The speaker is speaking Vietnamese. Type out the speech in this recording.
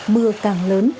mưa càng lớn